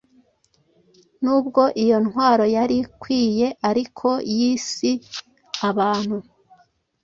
Nubwo iyo ntwaro yari ikwiyeariko yisi-abantu